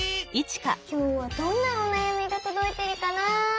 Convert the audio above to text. きょうはどんなおなやみがとどいているかな？